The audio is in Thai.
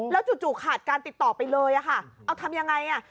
จู่ขาดการติดต่อไปเลยอะค่ะเอาทำยังไงอ่ะ